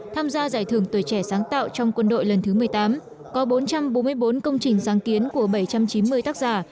tham gia giải thưởng tuổi trẻ sáng tạo trong quân đội lần thứ một mươi tám có bốn trăm bốn mươi bốn công trình sáng kiến của bảy trăm chín mươi tác giả